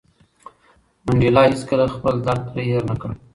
منډېلا هېڅکله خپل درد هېر نه کړ.